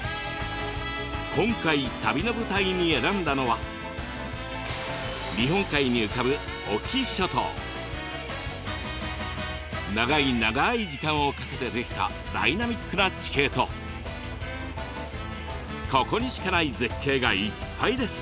今回旅の舞台に選んだのは日本海に浮かぶ長い長い時間をかけて出来たダイナミックな地形とここにしかない絶景がいっぱいです。